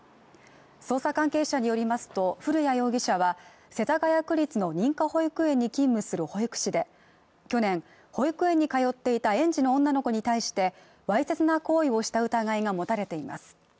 捜査関係者によりますと古谷容疑者は世田谷区立の認可保育園に勤務する保育士で去年、保育園にかよっていた園児の女の子に対してわいせつな行為をした疑いが持たれています